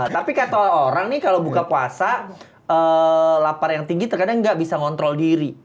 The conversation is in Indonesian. tapi kata orang nih kalau buka puasa lapar yang tinggi terkadang nggak bisa ngontrol diri